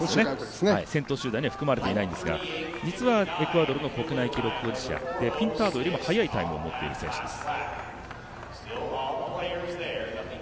先頭集団には含まれていないんですが実はエクアドルの世界記録保持者ピンタードよりも速いタイムを持っている選手です。